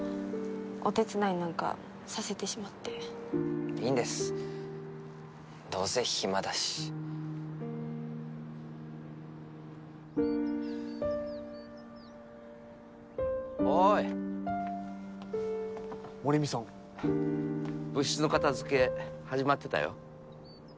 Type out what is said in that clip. お手伝いなんかさせてしまっていいんですどうせ暇だしおーい守見さん部室の片づけ始まってたよ